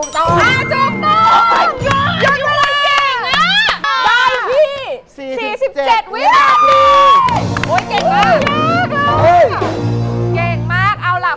เพื่อนดีมันไม่ได้ช่างอันเลยฮะ